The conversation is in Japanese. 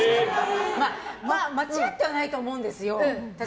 間違ってはないと思うんですよ。